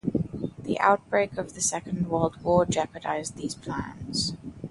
The outbreak of the Second World War jeopardized these plans.